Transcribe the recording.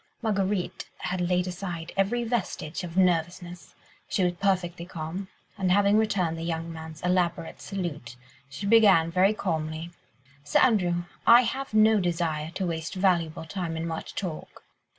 Marguerite had laid aside every vestige of nervousness; she was perfectly calm, and having returned the young man's elaborate salute, she began very calmly,— "Sir Andrew, I have no desire to waste valuable time in much talk.